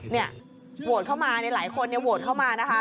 เนี่ยโหวตเข้ามาหลายคนโหวตเข้ามานะคะ